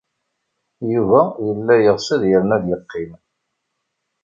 Yuba yella yeɣs ad yernu ad yeqqim.